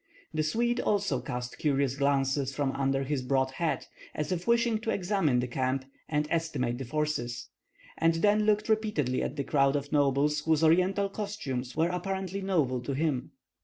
The Swede also cast curious glances from under his broad hat, as if wishing to examine the camp and estimate the forces, and then looked repeatedly at the crowd of nobles whose oriental costumes were apparently novel to him.